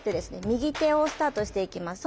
右手をスタートしていきます。